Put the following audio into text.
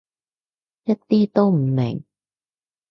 一啲都唔明